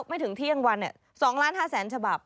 ไม่ถึงเที่ยงวัน๒๕๐๐๐๐ฉบับ